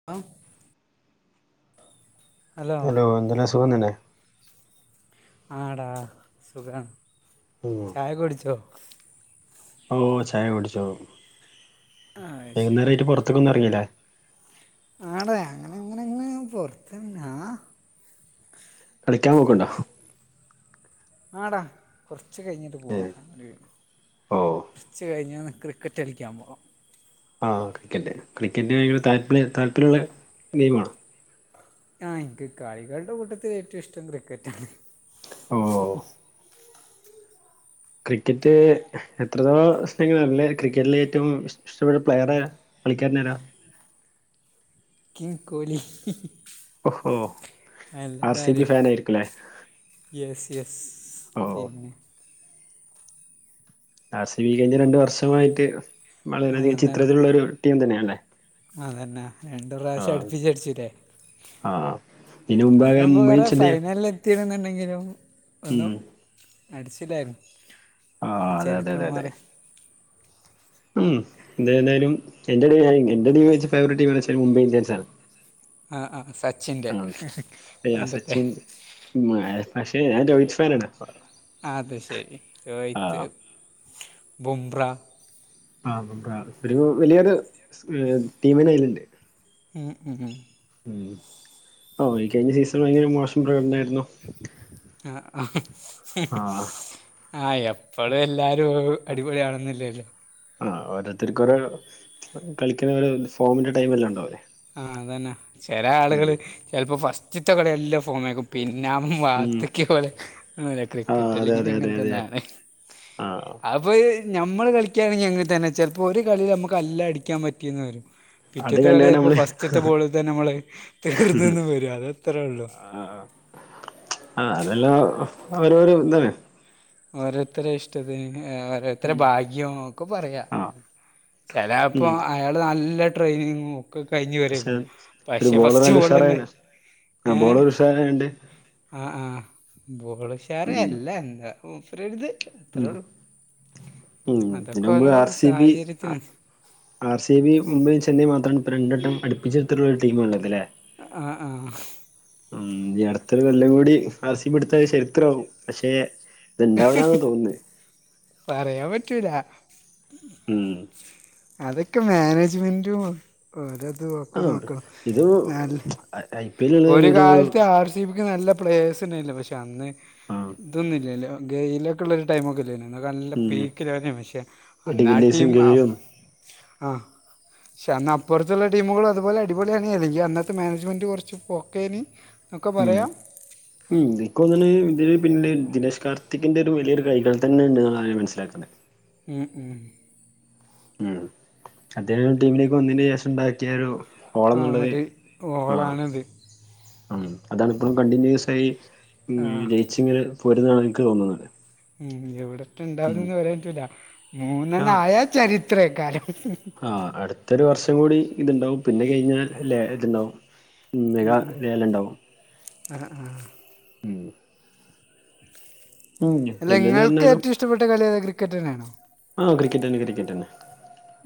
ആഹ് hello എങ്ങനെ സുഖം തന്നെ. ആഹ് ടാ സുഖം. ഉം ചായ കുടിച്ചോ. ഓഹ് ചായ കുടിച്ചു ആഹ് ശരി വൈകുന്നേരായിട്ട് പുറത്തേക്കൊന്നും ഇറങ്ങിലെ ആടെ അങ്ങനങ്ങനെങ്ങെ പൊറത്ത്ന്നാ. കളിക്കാൻ പോക്കുണ്ടോ ആടാ കൊറച്ച് കഴിഞ്ഞിട്ട്. ഏ പോണം ഓ കുറച്ച് കഴിഞ്ഞ് ക്രിക്കറ്റ് കളിക്കാൻ പോണം. ആഹ് ക്രിക്കറ്റ് ക്രിക്കറ്റ് താല്പ്പ്ള് താല്പര്യൊള്ള ഗെയിംമാണൊ ആഹ് ഇക്ക് കായികാളുടെ കൂട്ടത്തിൽ ഏറ്റവും ഇഷ്ടം ക്രിക്കറ്റാണ് ഓ ക്രിക്കറ്റ് എത്ര [unintelligible] ക്രിക്കറ്റിൽ ഏറ്റവും ഇഷ്ടപ്പെട്ട പ്ലെയർ ആരാ കളിക്കാരനരാ. കിങ് കോലി. ഓഹോ ആർ സി ബി ഫാൻ ആയിരിക്കുംലേ. യെസ് യെസ് പിന്നെ. ആസി വി കഴിഞ്ഞ രണ്ടു വർഷമായിട്ട് ആ വളരെയധികം അതാണ് ചിത്രത്തിലുള്ള ഒരു ടീം തന്നെയല്ലേ. അതന്നെ രണ്ട് പ്രാവശ്യം അടുപ്പിച്ചടിച്ചുല്ലേ. ആ ഇതിന് മുമ്പാകെ അതിനുമ്പ് മുംബൈ കുേറെേ ചെന്നൈ ഫൈനലിൽ എത്തിട എന്നുണ്ടെങ്കിലും ഒന്ന്. ഉം അടിച്ചിലേ ആഹ് ഇപ്പൊ അതെ അതെ ചരിത്രം അതെ അതെ മാറി ഉം എന്തായാലും എന്റെ ടീം വെച്ച ഫേവററ്റ് ടീംന്ന് വെച്ചാലും മുംബൈ ഇന്ത്യൻസ് ആണ് ആ ആ സച്ചിന്റെ പണ്ടത്തെ മ പക്ഷെ ഞാൻ രോഹിത് ഫാനാണ് അത ശരി രോഹിത് ആഹ് ബുമ്ര ആ ഒരു വലിയൊരു ടീമിനെ അയലുണ്ട് ഉം ഉം ഉം ഈ കഴിഞ്ഞ സീസൺ ഭയങ്കര മോശം പ്രകടനമായിരുന്നു ആഹ ആഹ് ആ് എപ്പോഴും എല്ലാരും അടിപൊളിയാണന്നില്ലല്ലോ ആ ഓരോരുത്തർക്ക് കുറെ കളിക്കുന്ന ഒരു ഫോമിന്റെ ടൈംല്ലാം ഉണ്ടാവൂലേ ആ അതന്നെ ചെല ഉം ആളുകള് ചിലപ്പോ ഫസ്റ്റിത്തെ കളിയല്ല ഫോമക്ക പിന്നെ ആ ഉം വാത്തക്ക പോലെ ക്രിക്കറ്റ് അല്ലെങ്ങനെ എങ്ങനെ തന്നെയാണ് ആ അപ്പൊ നമ്മള് കളിക്കാണെങ്കിൽ എങ്ങനെ തന്നെ ചിലപ്പോ ഒരു കളി നമ്മുക്ക് അല്ലാം അടിക്കാൻ പറ്റിയന്ന് വരും അത് കണ്ടാണ് നമ്മള് ഫസ്റ്റ്ത്തെ ബോളിൽ തന്നെ നമ്മള തീർന്നന്ന് വരും അത്ത്രേ ഉള്ളൂ ആ ആ അതല്ലാം ഓരോര ഇന്താണ് ഓരോരുത്ത ഇഷ്ടത്തിന് ഓരോരുത്ത ഉം ഭാഗ്യം ഒക്കെ പറയാ ആഹ് ചിലപ്പോൊ ഉം അയാള് നല്ല ട്രെയിനിങ് നോ ക്കെ കഴിഞ്ഞു പക്ഷെ വരക്കും ഒരു പക്ഷെ ബോളർ ഫസ്റ്റ് നല്ല ബോളിൽ തന്നെ ഉഷാറായിണ് ആ ഏ ബോളർ ഉഷാറായിണ്ട് ആഹ ആഹ ബോൾഷറ അല്ല എന്താ മൂപ്പര്ഒര്ത് ഉ ഉ ഇതിന മുമ്പ് ആർ സി ബി പിന്ന ആർ സി ഐ ബ മുംബൈയും ചെന്നൈയും മാത്രമാണ് ഇ രണ്ടെട്ടം അടുപ്പിച്ചെടുത്തിട്ടുള്ള ഒരു ടീമ ഉള്ളത് അല്ലെ ആ ആ ഉ അടുത്തൊരു കൊല്ലം കൂടി അറസ്യപ്പെിടുത്താൽ ചരിത്രമാവും പക്ഷെ ഇത് ഇണ്ടാവിലാന് തോന്നുന്നു പറയാൻ പറ്റൂല ഉം അതൊക്കെ മാനേജ്മെന്റും ഓരോ തും നമുക്ക് ആഹ് നോകാം ഇത് ഞാൻ ഇല്ല ഐ പി എൽ ഉള്ളത് ഒരു വെറും കാലത്ത് ആർ സി പിക്ക നല്ല പ്ലേഴ്സ തിനെ ഇല്ല പക്ഷെ അന്ന് ആഹ് ഇതൊന്നുമല്ലല്ലോ ഗെയിലൊക്കെ ഉള്ളരു ടൈമൊ ഒക്കെ ഇല്ലേെ എന്നൊക്കെ നല്ല ഉം പീക്ക് മെഷൻ പക്ഷേ എന്നാ ഡിവില്ലേഴ്സും ടീം ഗെയിലും ആ പക്ഷേ അാ അപ്പുറത്തുള്ള ടീമുകളും അതുപോലെ അടിപൊളിയാണ് അതെങ്കിൽ അന്നത്തെ മാനേജ്മെൻ്റ് കുറച്ച് പൊക്കേന് എന്നൊക്കെ ഉം പറയാം ഉ ഇപ്പ എനിക്ക് തോന്നണ് ഇ പിന്നെ ദിനേ ശ് കാർത്തിക്കിന്റെ ഒരു വലിയൊരു കൈകൾ തന്നെ ഉണ്ട് എന്നുള്ള കാര്യാ മനസ്സിലാക്കുന്നെ ഉം ഉം ഉ അദ്ദേഹം ടീമിലേക്ക് ഒന്നിന് ശേഷം ഉണ്ടാക് പറ്റിയരു ആ ഓളന്നുള്ളത് ഒരു ആഹ ഓളാണിത് ഉ അതാണിപ്പോഴും കണ്ടിന്യൂസ ആയി ആ ജയി- കൊച്ചിങ്ങെ പോരുന്നാണ് എനിക്ക് തോന്നുന്നത് ഉ എവിടത്തെ ഉം ഇണ്ടാവുന്നന്ന് പററ്റില്ല മൂന്നെണ്ണായ ചരിത്രേക്കാരം ആഹ അടുത്തൊരു വർഷം കൂടി ഇത്ണ്ടാവും പിന്നെ കഴിഞ്ഞാൽ ല ഇതുണ്ടാവും മ മെഗാ മ ലേലം ഉണ്ടാവും ആ ആ ഉം ഉം അല്ല എന്തെന്ന് നിങ്ങൾക്ക് പറഞ്ഞാലും ഏറ്റവും ഇഷ്ടപ്പെട്ട കളി അത് ക്രിക്കറ്റ് തന്നാണോ ആ ക്രിക്കറ്റ്ന്ന ക്രിക്കറ്റ് തന്നെ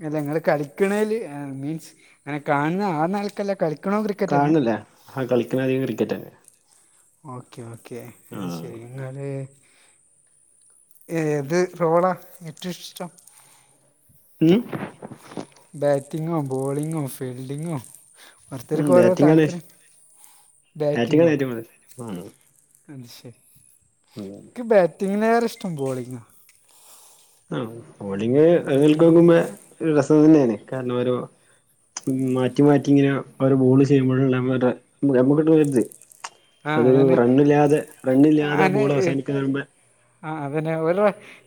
അല്ല ഇ ങ്ങള് കളിക്കണേല് മീൻസ് ങ്ങനെ കാണുന്ന ആ നാൾക്കല്ലെ കളി കാണന്നില്ലേ ആ കളിക്കുന്ന അധികം ക്രിക്കറ്റ് തന്നെ ഓക്കെ, ഓക്കേ അത് ആഹ് ശെരി ന്നാല് ഏത് റോളാ ഏറ്റും ഇഷ്ടം? ഉം ബറ്റിങ്ങും, ബോളിങ്ങോ ഫീൽഡിങ്ങും ഉം ഒര്ത്തർക്കോരോ ബാറ്റിംഗാണ് താല്പര്യ [unintelligible] ഡയറ്റിങ്ങോ? ബാറ്റിംഗാണ് ഏറ്റവും കൂടുതൽ ഉം അത് ശരി [unintelligible] എനിക്ക് ബാറ്റിംഗിനേറെഷ്ടം ബോളിംഗ ആഹ്, ബോളിങ് [unintelligible] ക്കുമ്പേ ഒരു രസം തന്നേണ് കാരണം ഒരു മാറ്റി, മാറ്റി ഇങ്ങനെ അവർ ബോള് ചെയ്യുമ്പോഴഴുള്ള നമ്മ കിട്ടണ ഒ രുത്. ആ അതൊരു അതന്നെ റണ്ണില്ലാതെ, റണ്ണില്ലാതെ ബോള് അങ്ങനെ അവസാനിക്കുന്നതിന് മുമ്പേ ആ അതന്നെ ഓലെ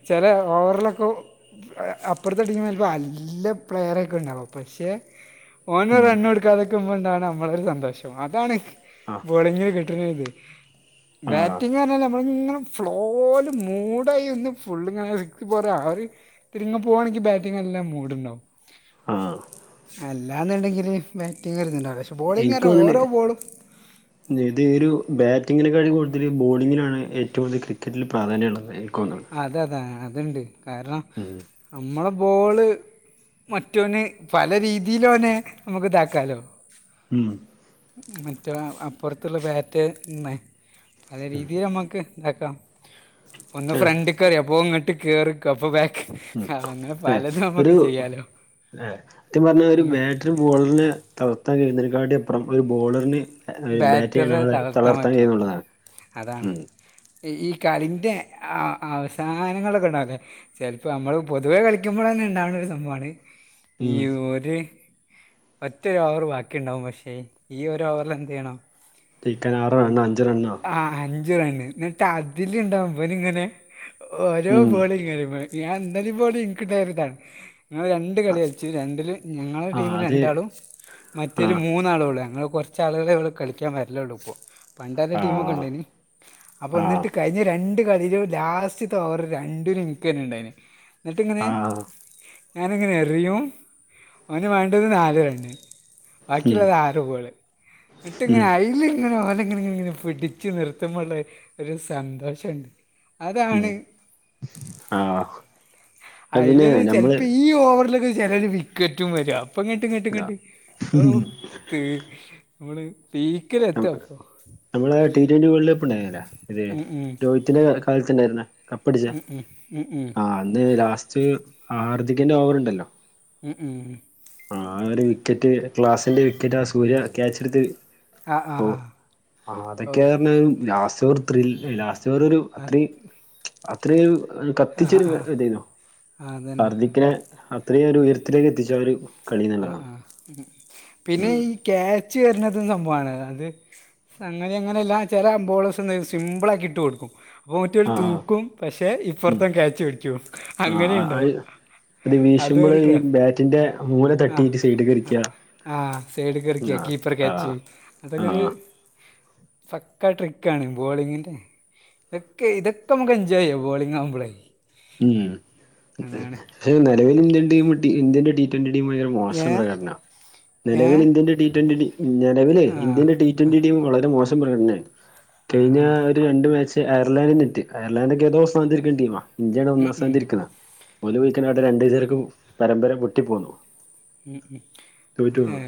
ചില ഓവറിലൊക്കെ അപ്പുറത്തെ ടീമ ചെലപ്പോൾ നല്ല പ്ലെയറൊക്കെ ഉണ്ടാവും പക്ഷെ ഉം ഓനൊര് റണ്ണൊട്ക്കാതെക്കുമ്പണ്ടാവ്ണ അമ്മളൊരു സന്തോഷം, അതാണ് ആഹ് [unintelligible] കി കിട്ടണത് ആഹ് ബാറ്റിംഗ്പറഞ്ഞാൽ നമ്മളിങ്ങനെ ഫ്ലോല് മൂടായി ഒന്ന് ഫുള്ളിങ്ങനെ സി പോ അവര് തിരിങ്ങ പോകവാണെങ്കിൽ ബാറ്റിംഗ നല്ലാ മൂഡ്ണ്ടാവും. ആഹ് അല്ലാന്നുണ്ടെങ്കില് ബാറ്റിങ്ങരുന്നു ഒരു അവശം ഇൻക്കോന്ന്ണ് [inaudible] ഇത് ഒരു ബാറ്റിങ്ങിനെക്കാളും കൂടുതൽ ബോളിങ്ങിനാണ് ഏറ്റവും കൂടുതൽ ക്രിക്കറ്റിൽ പ്രാധാന്യള്ളത് എനിക്ക് തോന്നുന്നു. അതെ അതെ അത്ണ്ട് കാരണം ഉം നമ്മളെ ബോള് അ മറ്റൊന് പല രീതിയിലോനെ നമുക്ക് ഇതാക്കാലോ ഉം മറ്റെ അപ്പുറത്തുള്ള ബാറ്റ്ന്നെ പല രീതിയിൽ നമ്മുക്ക് അക്ക ആഹ് ഫ്രണ്ട്ക്കെറിയ അപ്പൊ ഇങ്ങട്ട് കേറി കപ്പ് പാക്ക് ഉം അങ്ങനെ ഏഹ് പലതും ഒരു നമ്മുക്ക് ചെയ്യാലോ ഏഹ് സത്യം പറഞ്ഞ ഉം ഒരു ബാറ്ററി ബോളറിനെ തളർത്താൻ കഴിയുന്നതിനെ കാട്ടിലും അപ്പുറം ഒരു ബോളറിന് ബാറ്റ് ചെയ്യുന്ന ബാറ്ററെ ആള് തളർത്താൻ തളർത്തൻ പറ്റും ചെയ്യുന്നുള്ളതാണ് അതാണ് ഉം ഈ ഈ കളിന്റെ അ അവസാനങ്ങളൊക്കെ [unintelligible] ചിലപ്പോ നമ്മള് പൊതുവേ കളിക്കുമ്പോൾ തന്നെ ഉണ്ടാവുന്ന ഒരു സംഭവമാണ് ഈ ഉം ഓര്, ഒറ്റൊരോവറ് ബാക്കിണ്ടാവും പക്ഷെ, ഈ ഒരു ഓവർലെ വേണം ജയിക്കാൻ ആറ് റണ് അഞ്ച് റണ്ണോ ആ അഞ്ച് റണ് എന്നിട്ട് അതില് ഉണ്ടാവും ഇവനിങ്ങനെ ഓരോ ഉം ബോളിങ്ങനെ [unintelligible] ഞാൻ എന്തായാലും പേടി ഇനി കിട്ടരുതാണ് ഞങ്ങൾ രണ്ട് കളി കളിച്ചു രണ്ടില് ഞങ്ങളെ ആഹ് ടീമിൽ അത് രണ്ടാളും, മറ്റേല് ആഹ് മൂന്നാളുള്ളെ. ഞങ്ങള് കൊർച്ച് ച്ചാളുകളെ ഇവടെ കളിക്കാൻ വര്ലൊള്ളു ഇപ്പൊ. പണ്ടല്ല ടീമൊക്കെ ആഹ് ഇണ്ടായ്നി. ആഹ് അപ്പോന്ന്ട്ട് കഴിഞ്ഞ രണ്ട് കളീലും, ലാസ്റ്റ്ത്തോവറ് രണ്ട്ലും ഇൻക്കെന്നെണ്ടായീന് എന്നിട്ടിങ്ങനെ ആഹ് ഞാനിങ്ങനെ എറിയും അവന്ന് വേണ്ടത് നാല് റെണ്ണ്. ഉം ബാക്കിയുള്ളത് ആറ് ബോൾ എന്നട്ടി ങ്ങനെ ഉം അതിൽ ഇങ്ങനെ ഓനെങ്ങന ഇങ്ങന പിടിച്ചു നിർത്തുമ്പോള്ള ഒരു സന്തോഷുണ്ട് ഉം അതാണ് ആഹ്, ആ പിന്നെ അതിലൊരു നമ്മള് ചിലപ്പോൾ ഈ ഓവറിലൊക്കെ ചിലരു വിക്കറ്റും വര അപ്പങ്ങട്ട് ങ്ങട്ട്, ങ്ങട്ട് ഉം മ് നമ്മള് പീക്കിലെത്തപ്പോ നമ്മള് ടി ട്വന്റി വേൾഡ് കപ്പ് ഉണ്ടായിന്ന്ല്ലേ ഏത്? ഉം ഉം രോഹിത്തിന്റെ കാലത്ത്ണ്ടായിരുന്ന കപ്പടിച്ച ഉം ഉം ആ, അന്ന് ലാസ്റ്റ് ആർദിക്കന്റെ ഓവർ ഉണ്ടല്ലോ ഉം ഉം ഉം ആ ഒരു വിക്കറ്റ് ക്ലാസിന്റെ വിക്കറ്റ് ആ സൂര്യ ക്യാച്ചെടുത്ത് ആ ആ ഓ ആ അദ്യ ഓ ക്കെയ പറഞ്ഞാലും ലാസ്റ്റ് ഒരു ത്രില്ലില്ല ചൊരു രു അത്രയും അത്ര യും ആ കത്തിച്ചൊരു ആ ഇതായിന്നോ ആ ഹർദിക്കിനെ അതന്നെ ഇത്രയൊരു ഉയരത്തിലേക്ക് എത്തിച്ചവര് ആ ഹ് ആ ഹ് പിന്നെ ഉം ഈ ക്യാച്ച് വരണത് സംഭവമാണ് അത് സംഗതി അങ്ങനെല്ല ചില അംബോളേസ് സിമ്പിൾ ആക്കി ഇട്ട് കൊടുക്കും അ പ്പ മറ്റോ രു ആ ആ തൂക്കും പക്ഷെ ഉം ഇപ്പറത്തോൻ ക്യാച്ച് പിടിക്കും ആഹ് ആഹ് അങ്ങനെയുണ്ടാവ അഹ് അത് വീശുമ്പോള് ഈ ബാറ്റിൻ്റ മൂല തട്ടീട്ട് സൈഡ് കറിക്കാ ആഹ സൈഡ് കറിക്ക കീപ്പർ ക്യാച്ച് അതൊക്കൊരു ആഹ് പ ക്ക ട്രിക്കാണ് ബോളിങ്ങിന്റെ ഇതൊ ക്കെ ഇതക്കമുക്ക് എൻജോയ് ചെയ്യാം ബോ ളിംഗ്ആ കുമ്പൊ ളെ ഉം പക്ഷെ നിലവിൽ ഇന്ത്യൻ ടീമ് ഇന്ത്യന്റെ ടി ട്വന്റി ടീം ആ മോശം ഏഹ് പ്രകടന നിലവിൽ ഏഹ് ഇന്ത്യന്റെ ടി ട്വന്റി നിലവിലെ ആഹ് ഇന്ത്യന്റെടി ടീ ട്ടൊ ആഹ് ന്റി ടീം വളരെ മോശം പ്രകടനയാണ് കഴിഞ്ഞ ആഹ് ആഹ് രണ്ട് മാച്ച് അയർലാൻറിനെറ്റ് അയർലൻന്റ് ഒക്കെ ഏതോ സ്ഥാന ത്തി രിക്കുന്ന ടീ മാ ഇന്ത്യാണ് ഉം ഒന്നാം സ്ഥാന ത്തി ഉം രിക്കുന്ന പലുവഴിക്കാനായിട്ട് രണ്ടു ദിവസർക്ക് പരമ്പര പൊട്ടിപ്പോന്നു ഏ തോറ്റുപോന്നു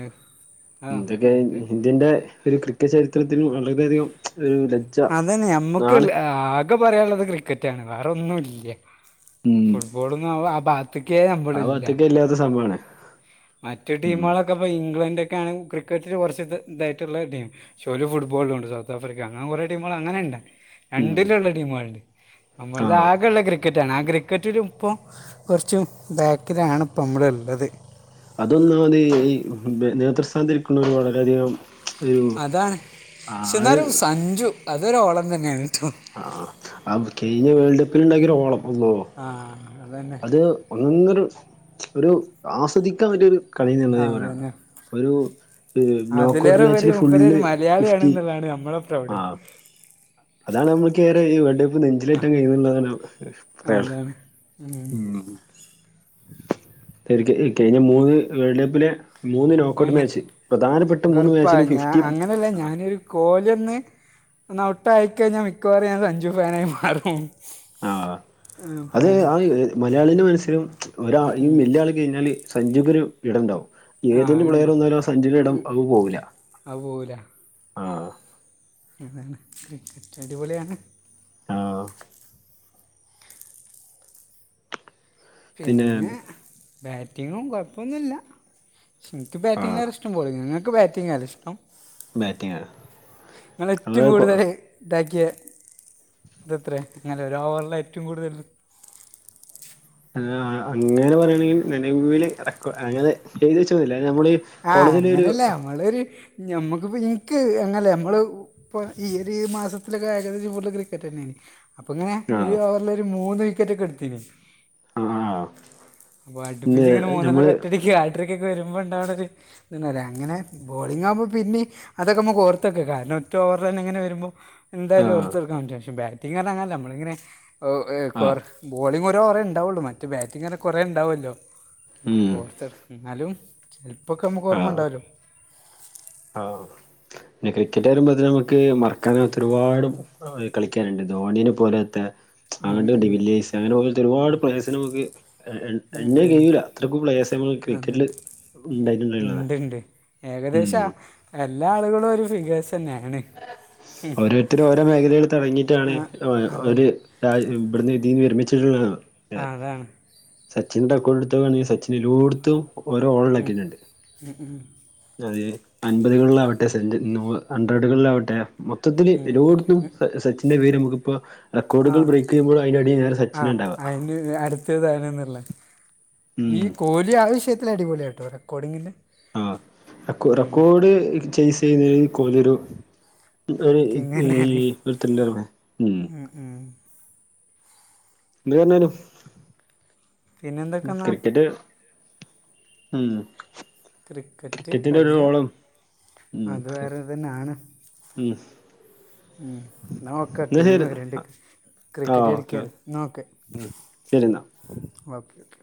ആഹ് എന്തൊക്കെ അതെ ഇന്ത്യ ന്റെ ഒരു ക്രിക്കറ്റ് ചരിത്രത്തിന് വളരെയധികം ഒരു ലജ്ജ അതന്നെ നമ്മുക്ക് നാണ ആകെ പറയാനുള്ളത് ക്രിക്കറ്റാണ് വേറൊ ന്നും ഇല്ല ഉം ഫുട്ബോളൊ ന്നും ആ ഭാഗ ത്തേക്കേ ആ നമ്മളി ല്ല ഭാഗത്തൊക്കെ ഇല്ലാത്ത സംഭവമാണ് മറ്റു ഉം ടീമുകളൊക്കെ ഇപ്പ ഇംഗ്ലന്റൊ ക്കെയാണെങ്കിൽ ക്രിക്കറ്റില് കുറച്ച് ഇതായിട്ടുള്ള ടീം ചെലോർ ഫുട്ബോളും ഉണ്ട് സൗത്ത് ആഫ്രിക്ക അങ്ങനെ കുറെ ടീമുകൾ അങ്ങനെണ്ട് ഉം രണ്ടിലുള്ള ടീമുകളുണ്ട് നമ്മളത് ആഹ് ആകെയുള്ള ക്രിക്കറ്റാണ് ആ ക്രിക്കറ്റില് ഇപ്പൊ കൊ റച്ച് ബാക്കിലാണ് ഇപ്പ നമ്മളു ള്ളത് അതൊന്നാമത് ഈ നേതൃസ്ഥാന തിരിക്കുണൊരു വളരെയധികം ഒരു അതാണ് ക്ഷെ ആഹ് ന്നാലും സഞ്ജു അതൊരു ഓളം തന്നെയാണ് ട്ടോ ആ അ കഴിഞ്ഞവേൾഡ് കപ്പിൽ ഉണ്ടാക്കിയ ഓ ളപ്പന്നോ ആ അത ന്നെ അത് ഒന്നൊന്നൊരു ഒരു ആസ്വദിക്കാൻ പറ്റിയൊ രു കളിന്നുള്ള ആ ഞാൻ പറയ അതന്നെ ഒരു നോക്ക്ഔട്ട് അതിലേറെ ഉപരി മാച്ചില് മൂപ്പര് ഒരു ഫുള്ള് മലയാളിയാണ് ഫിഫ്റ്റി എന്നുള്ളതാണ് നമ്മളെ ആ പ്രൗഡ് അതാണ് നമ്മുക്കേ റെഈവേൾഡ് ആ കപ്പിന് കഴിയി ന്നുള്ളതാണ് പറയാള് അതാണ് ഉം. തനി ക്ക് കഴിഞ്ഞ മൂന്ന് വേൾഡ് കപ്പിലെ മൂന്ന് നോക്ക്ഔട്ട് അതന്നെ മാച്ച് പ്രധാനപ്പെട്ട മൂന്ന് മാച്ചിലും ഫിഫ്റ്റി അ ആഹ് ഞാനൊരു കോലെ ന്ന് ന്ന്‌ ഔട്ടായിക്കഴിഞ്ഞാൽ മിക്കവാറും ഞാൻ സഞ്ജു ഫാനായി മാറും ആ ആ, അത് ആ പ- മലയാളിന്റെ മനസ്സിലും ഒരാ ഉം, ഈ ഉം. വില്ലാ ളി കഴിഞ്ഞാല് സഞ്ജുക്കൊ രു ഇടം ഉണ്ടാവും ആ ഏതൊരു പ്ലെയർ ഉണ്ട് വന്നാലും സഞ്ജുന്റെ ഇടം അവ പോകില്ല അപോവൂല ആഹ അതാണ് ക്രിക്കറ്റ് അടിപൊ ളി യാണ് ആഹ പിന്നെ ബാറ്റിങ്ങും കുഴപ്പൊന്നുല്ല എനിക്ക് ബാറ്റിംങ് ആഹ് നേരെ ഇഷ്ട പോളിങ്ങ് ഇ ങ്ങക്ക് ബാറ്റിംങ്ങ ഇഷ്ടം ബാറ്റിംഗ് നിങ്ങ ഏറ്റവും അത് കൊ കൂടുതല് ഇതാക്കിയ ഇതെത്ര ഇങ്ങനെ ഒരു അവറില ഏറ്റവും കൂടുതൽ ആ അ അ അങ്ങനെ പറയെണെങ്കിൽ നിലവില് [unintelligible] അങ്ങനെ ചെയ്ത് വെച്ചതില്ലെ നമ്മളി ആ അങ്ങനെല്ല നമ്മളൊരു ഞമ്മക്കിപ്പോ എയ്ക്ക് അങ്ങല്ലെ നമ്മള് ഇപ്പൊ ഈയൊരു മാസത്തിലൊക്കെ ഏകദേശം പോലുള്ള ക്രിക്കറ്റന്നെല്ലെ അപ്പങ്ങനെ ഒരു ആഹ് ഓവറ്ലൊരു മൂന്ന് വിക്കറ്റൊക്കെ എടുത്തിനി ആഹ് അപ്പൊ ഇത് അടുപ്പിച്ച് ഇങ്ങനെ മൂന്നണ്ണൊക്ക നമ്മള് ഒറ്റടിക്ക് ആട്ട്രിക്കൊക്കെ വരുമ്പോ ഇണ്ടവിടെ ഒരു [unintelligible] അങ്ങനെ ബോളിങ്ങാവുമ്പോ പിന്നെ അതൊക്കെമുക്കോർത്തൊക്കെകാ നൊറ്റൊർലൈനങ്ങനെ വരുമ്പോ ന്തായാലും ആഹ് ഓർത്തറക്കാൻ പറ്റും ബാറ്റിങ്ങ [unintelligible] നമ്മള ഇങ്ങനെ ഒ ഏ ആഹ് [unintelligible] ബോളിങൊരോവറേണ്ടാവുള്ളൂ മറ്റ് ബാറ്റിങ്ങർനാ കൊറേ എണ്ടാവോല്ലോ ഉം ഓർത്തെർ ന്നാലും പ്പൊക്കെ മ്മക്ക് ആഹ് ഓർമ്മണ്ടാവല്ലോ ആഹ് [unintelligible] ക്രിക്കറ്റ് വരുമ്പോത്ത നമുക്ക് മറക്കാനാകാത്ത ഒരുപാട് ആ കളിക്കാരുണ്ട് ധോണിന പോലത്തെ അ ഉം [unintelligible] ഉം. വില്ലേജ [unintelligible] അങ്ങനെ പോലത്തെ ഒരുപാട് [unintelligible] നമുക്ക് ഉം [unintelligible] ഉം. കഴിയൂല ഇത്രക്ക് പ്ലേയേഴ്സങ്ങ് ക്രിക്കറ്റില് ഉണ്ടായിട്ടുണ്ടായിള്ളതാ ണ്ട്ണ്ട് ഏകദേശ ഉം എല്ലാ ആളുകളും ഒരു ഫിഗേഴ്സന്നേണ് ഓരോരുത്തര് ഓരോ മേഖലേല് തുടങ്ങിട്ടാണ് ആ ഒ ഒര് അതന്നെ ടാ ഇവിടുന്ന് ഇതീന്ന് വിരമിച്ചിട്ട് [unintelligible] ആ അതാണ് സച്ചിന്റെ റെക്കോർഡെടുത്തോ വേണേ സച്ചിനിലൂടുത്തും ഒ ഒരോ ഉം ഉ ഊം [unintelligible] അൻപതുകളിലാവട്ടെ സെ [unintelligible] നൂ ഹൺഡ്രഡുകളിലാവട്ടെ മൊത്തത്തില് ഉം. എലോടുത്തും സ സച്ചിന്റെ പേര് [unintelligible] ആ റെക്കോർഡുകൾ ബ്രേയ്ക്കെയ്യുമ്പോളയിനടി [unintelligible] സച്ചിനാണ്ടാവ ഇ എ അടുത്തതാണെന്നുള്ള ഈ ഉം കോരി ഈ ആവശ്യത്തില് അടിപൊളിയാട്ടോ റെക്കോഡിങ്ല് ആ റെക്കോ റെക്കോഡ്ല് ചെയ്സ് ചെയ്യുന്നില് കോലിയൊരു ഇ ഒരു കിങ് തന്നെയാണ് [unintelligible] ഉം ഉം [unintelligible] മ് പിന്നെന്തൊക്കെന്നാ ക്രിക്കറ്റ് ഉം ക്രിക്കറ്റ് ക്രിക്കറ്റിന്റെ ഒരു കളിയ റോളും ഉം അതുവേറെതന്നാണ് ഉം മ് ന്നാ ഓക്കെ എന്നാ ടീം ശരി വരണ്ട് ആ ഓക്കെ ക്രിക്കറ്റളിക്കാൻ ന്നാ ഓക്കെ ഉം ശരി എന്നാ ഓക്കെ ഓക്കെ